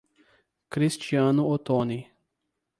Cristiano Otoni